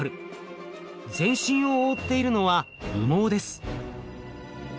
全身を覆っているのは羽毛です。